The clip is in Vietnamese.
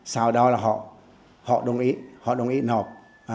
sau đó là họ đồng ý họ đồng ý họp